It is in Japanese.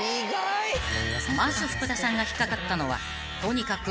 ［まず福田さんが引っ掛かったのはとにかく］